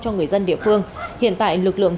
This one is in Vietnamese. cho người dân địa phương hiện tại lực lượng